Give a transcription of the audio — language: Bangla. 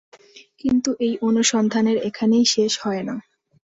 কিন্তু এই অনুসন্ধানের এখানেই শেষ হয় না।